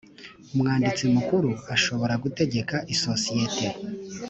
umwanditsi mukuru ashobora gutegeka isosiyete